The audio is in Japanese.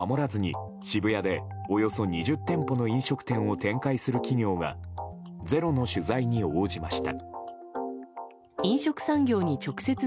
この店を含み、ルールを守らずに渋谷でおよそ２０店舗の飲食店を展開する企業が「ｚｅｒｏ」の取材に応じました。